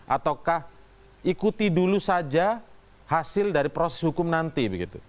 ataukah ikuti dulu saja hasil dari proses hukum nanti begitu